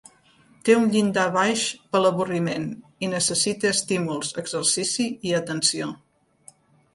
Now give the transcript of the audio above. Té un llindar baix per l'avorriment i necessita estímuls, exercici i atenció.